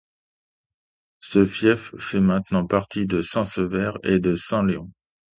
Ce fief fait maintenant partie de St-Sévère et de St-Léon.